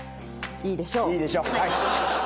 いいでしょう。